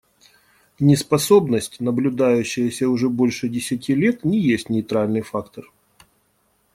Неспособность, наблюдающаяся уже больше десяти лет, не есть нейтральный фактор.